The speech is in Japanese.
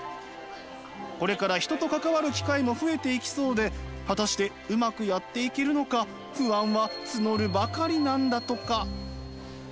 これから人と関わる機会も増えていきそうで果たしてうまくやっていけるのか不安は募るばかりなんだとか。